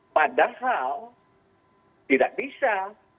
padahal tidak bisa